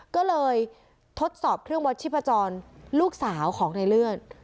ก็เลยทดสอบเครื่องวัดชีพจรลูกสาวของในเลื่อน